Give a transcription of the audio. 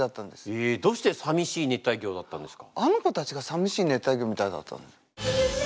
へえどうして「淋しい熱帯魚」だったんですか？